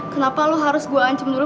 kenapa lo harus gue ancem dulu